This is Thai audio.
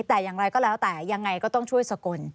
แต่อย่างไรก็แล้วแต่ยังไงก็ต้องช่วยสกล